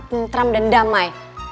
pinteram dan damai